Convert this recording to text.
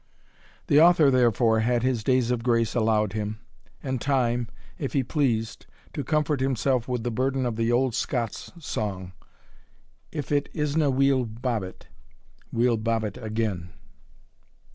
The author, therefore, had his days of grace allowed him, and time, if he pleased, to comfort himself with the burden of the old Scots song, "If it isna weel bobbit. We'll bob it again."